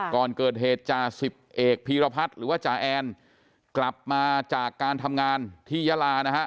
ก่อนเกิดเหตุจ่าสิบเอกพีรพัฒน์หรือว่าจาแอนกลับมาจากการทำงานที่ยาลานะฮะ